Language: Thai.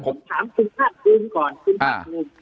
ผมถามคุณภาคคุณก่อนคุณภาคหนึ่ง